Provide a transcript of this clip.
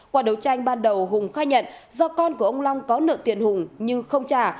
qua đấu tranh ban đầu hùng khai nhận do con của ông long có nợ tiền hùng nhưng không trả